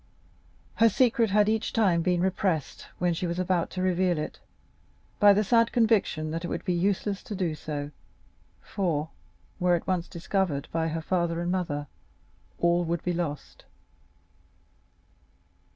Her secret had each time been repressed when she was about to reveal it, by the sad conviction that it would be useless to do so; for, were it once discovered by her father and mother, all would be lost.